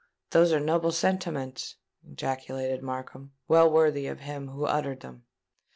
_'" "Those were noble sentiments!" ejaculated Markham: "well worthy of him who uttered them."